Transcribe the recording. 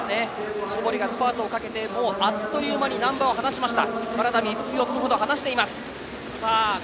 小堀がスパートをかけてあっという間に難波を離しました。